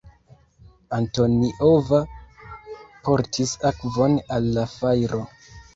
Antoniova portis akvon al la fajro.